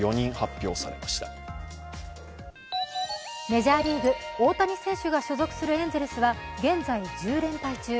メジャーリーグ、大谷選手が所属するエンゼルスは現在１０連敗中。